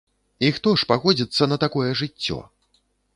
І хто ж пагодзіцца на такое жыццё?